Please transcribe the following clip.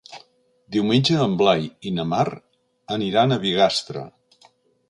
Diumenge en Blai i na Mar aniran a Bigastre.